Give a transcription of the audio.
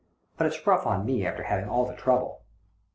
But it's rough on me after having all the trouble."